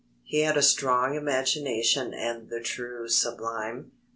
He had a strong imagination and the true sublime?